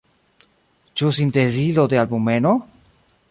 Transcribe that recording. Ĉu sintezilo de albumeno?